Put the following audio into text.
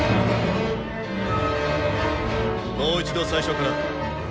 もう一度最初から。